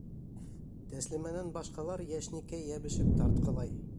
Тәслимәнән башҡалар йәшниккә йәбешеп тартҡылай.